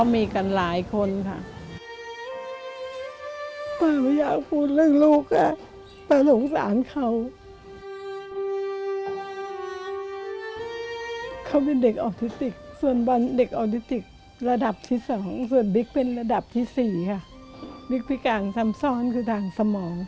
มิกพิกังซำซ้อนคือทางสมอง